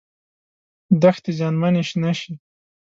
دښتې زیانمنې نشي.